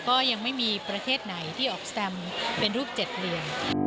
ก็ยังไม่มีประเทศไหนที่ออกสแตมเป็นรูป๗เหรียญ